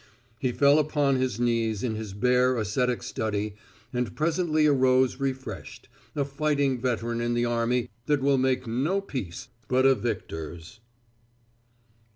He fell upon his knees in his bare ascetic study and presently arose refreshed, a fighting veteran in the army that will make no peace but a victor's.